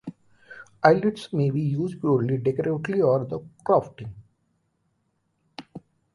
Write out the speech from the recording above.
Eyelets may be used purely decoratively for crafting.